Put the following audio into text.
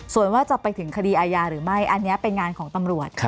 ส่วนว่าจะไปถึงคดีอาญาหรือไม่อันนี้เป็นงานของตำรวจ